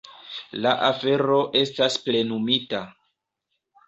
La afero estas plenumita.